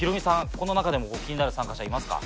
この中でも気になる参加者いますか？